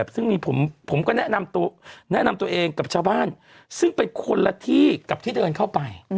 ซึ่งผมก็แนะนำตัวเองกับชาวบ้านซึ่งเป็นคนละที่กับที่เดินเข้าไป